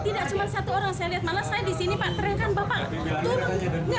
tidak cuma satu orang saya lihat malah saya di sini teriakan bapak turun